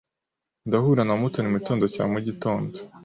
Ndahura na Mutoni mugitondo cya mugitondo.